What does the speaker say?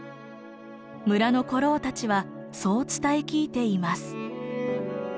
村の古老たちはそう伝え聞いています。